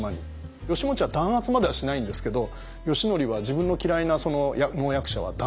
義持は弾圧まではしないんですけど義教は自分の嫌いな能役者は弾圧しちゃうんですよ。